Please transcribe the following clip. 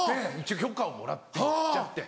で許可をもらって行っちゃって。